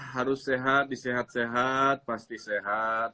harus sehat disehat sehat pasti sehat